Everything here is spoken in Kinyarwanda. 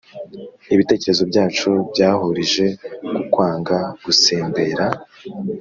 ibitekerezo byacu byahurije ku kwanga gusembera.